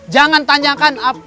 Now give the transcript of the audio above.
juga agak enak karir kan sebenarnya